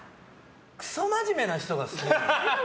クソ真面目な人が好きなんだ。